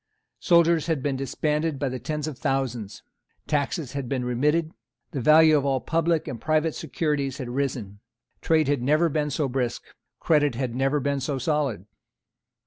Soldiers had been disbanded by tens of thousands. Taxes had been remitted. The value of all public and private securities had risen. Trade had never been so brisk. Credit had never been so solid.